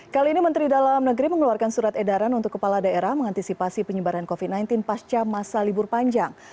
kali ini menteri dalam negeri mengeluarkan surat edaran untuk kepala daerah mengantisipasi penyebaran covid sembilan belas pasca masa libur panjang